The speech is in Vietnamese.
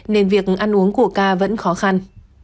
nên việc ăn uống của k vẫn khó khăn